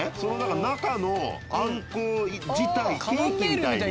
中のあんこ自体ケーキみたいに。